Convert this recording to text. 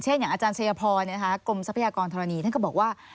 อย่างอาจารย์ชัยพรกรมทรัพยากรธรณีท่านก็บอกว่า